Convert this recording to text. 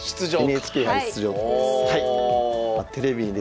「ＮＨＫ杯出場」です。